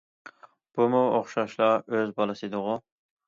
بۇمۇ ئوخشاشلا ئۆز بالىسى ئىدىغۇ؟!...